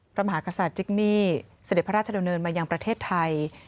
พระมหากษัตริย์จิกนี่เสด็จพระราชดำเนินมายังประเทศไทย